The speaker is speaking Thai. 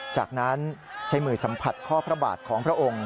จากนั้นใช้มือสัมผัสข้อพระบาทของพระองค์